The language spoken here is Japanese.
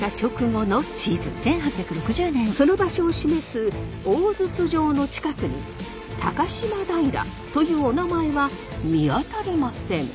その場所を示す大筒場の近くに高島平というおなまえは見当たりません。